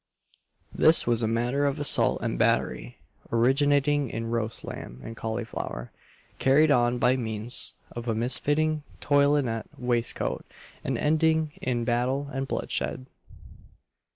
This was a matter of assault and battery, originating in roast lamb and cauliflower, carried on by means of a misfitting toilinet waistcoat, and ending in battle and bloodshed.